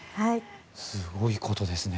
すごいことですね。